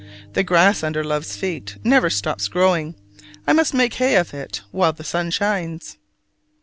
The grass under love's feet never stops growing: I must make hay of it while the sun shines.